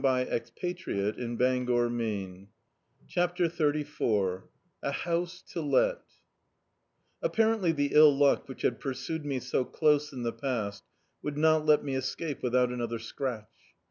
Dictzed by Google CHAPTER XXXIV A HOUSE TO LET APPARENTLY the ill luck which had pui^ sued me so close in the past, would not let me escape without another scratch.